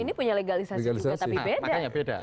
ini punya legalisasi juga tapi beda